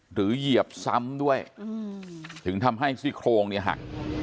เหยียบซ้ำด้วยถึงทำให้ซี่โครงเนี่ยหัก